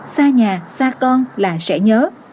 xa nhà xa con là sẽ nhớ